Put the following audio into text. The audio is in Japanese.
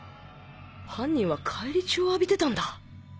犯人は返り血を浴びてたんだ！